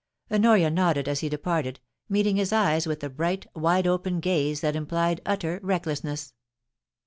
Honoria nodded as he departed, meeting his eyes with a bright, wide open gaze that implied utter recklessness.